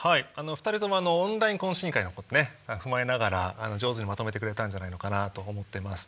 ２人ともオンライン懇親会のことね踏まえながら上手にまとめてくれたんじゃないのかなと思ってます。